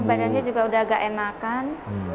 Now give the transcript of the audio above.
ini badannya juga udah agak enakan